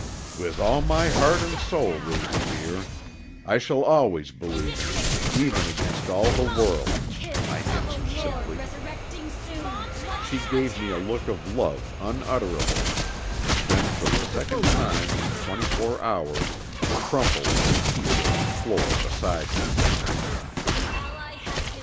"With all my heart and soul, Ruth, dear. I shall always believe in you even against all the world," I answered simply. She gave me a look of love unutterable, then for the second time in twenty four hours crumpled in a heap on the floor beside me.